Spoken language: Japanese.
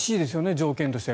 条件としては。